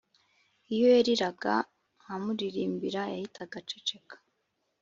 Iyo yariraga nkamuririmbira yahitaga aceceka